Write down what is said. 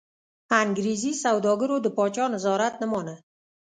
انګرېزي سوداګرو د پاچا نظارت نه مانه.